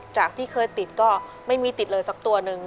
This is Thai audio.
จากที่เคยติดก็ไม่มีติดเลยสักตัวหนึ่ง